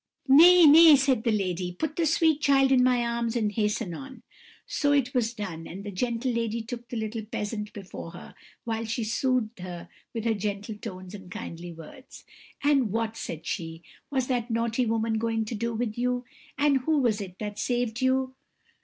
"'Nay, nay,' said the lady, 'put the sweet child in my arms and hasten on.' So it was done, and the gentle lady took the little peasant before her, whilst she soothed her with her gentle tones and kindly words. "'And what,' said she, 'was that naughty woman going to do with you? and who was it that saved you?'